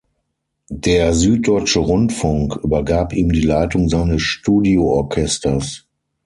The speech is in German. Der "Süddeutsche Rundfunk" übergab ihm die Leitung seines Studio-Orchesters.